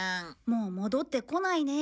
もう戻ってこないね。